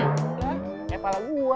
eh kepala gue